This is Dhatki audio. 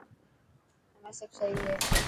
همي سب سهي هي؟